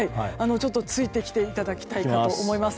ついてきていただきたいと思います。